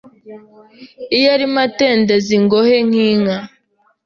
Iyo arimo atendeza ingohe nk’inka